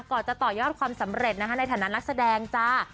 จะต่อยอดความสำเร็จนะคะในฐานะนักแสดงจ้า